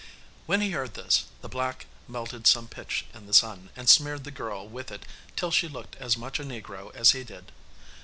When he heard this, the black melted some pitch in the sun, and smeared the girl with it, till she looked as much a negro as he did.